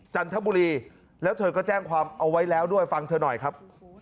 จันทบุรีแล้วเธอก็แจ้งความเอาไว้แล้วด้วยฟังเธอหน่อยครับ